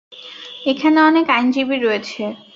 এখানে অনেক আইনজীবী রয়েছে।